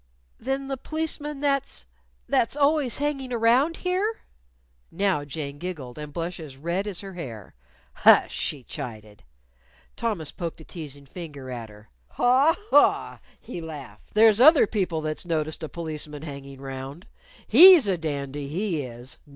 _" "Than the p'liceman that's that's always hanging around here?" Now Jane giggled, and blushed as red as her hair. "Hush!" she chided. Thomas poked a teasing finger at her. "Haw! Haw!" he laughed. "There's other people that's noticed a policeman hangin' round. He's a dandy, he is!